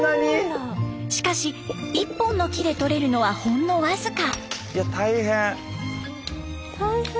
しかし１本の木でとれるのはほんの僅か。